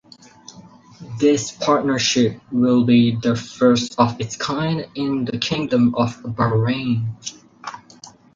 This partnership will be the first of its kind in the Kingdom of Bahrain.